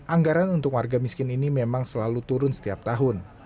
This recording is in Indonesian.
anggaran untuk warga miskin ini memang selalu turun setiap tahun